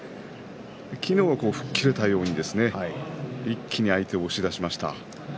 昨日は吹っ切れたように一気に相手を押し出しました。